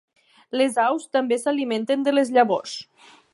Les aus també s'alimenten de les llavors.